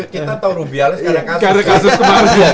kita tau rubialnya sekarang